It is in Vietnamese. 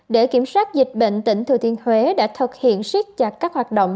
để kiểm soát dịch bệnh tỉnh thừa thiên huế đã thực hiện siết chặt các hoạt động